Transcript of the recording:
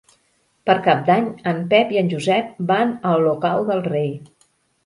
Per Cap d'Any en Pep i en Josep van a Olocau del Rei.